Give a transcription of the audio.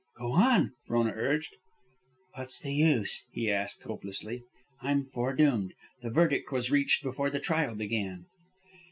"Go on," Frona urged. "What's the use?" he asked, hopelessly. "I'm fore doomed. The verdict was reached before the trial began."